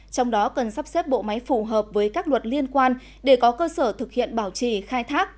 trong đó cần sắp xếp bộ máy phù hợp với các luật liên quan để có cơ sở thực hiện bảo trì khai thác